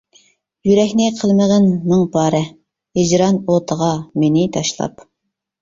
يۈرەكنى قىلمىغىن مىڭ پارە، ھىجران ئوتىغا مېنى تاشلاپ.